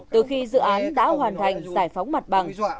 từ khi dự án đã hoàn thành giải phóng mặt bằng